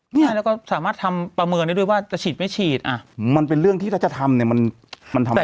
เนี่ยแล้วก็สามารถทำประเมินได้ด้วยว่าจะฉีดไม่ฉีดอ่ะมันเป็นเรื่องที่ถ้าจะทำเนี่ยมันทำได้